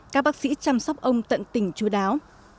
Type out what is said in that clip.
các bác sĩ chăm sóc ông tận tình chú đáo